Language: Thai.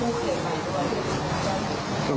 ให้น้องเป็นเด็กหญิง